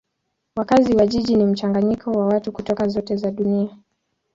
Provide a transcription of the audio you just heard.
Wakazi wa jiji ni mchanganyiko wa watu kutoka zote za dunia.